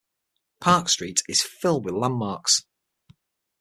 Park Street is filled with landmarks.